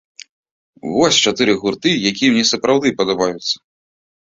Вось чатыры гурты, якія мне сапраўды падабаюцца.